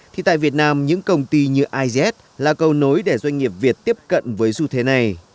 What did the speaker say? thì tại việt nam những công ty như izs là cầu nối để doanh nghiệp việt tiếp cận với du thế này